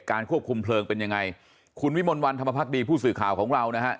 ควบคุมเพลิงเป็นยังไงคุณวิมลวันธรรมพักดีผู้สื่อข่าวของเรานะฮะ